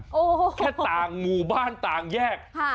เพราะเราก็ต่างหมู่บ้านต่างแยก